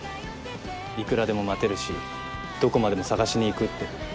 いくらでも待てるしどこまでも捜しに行くって。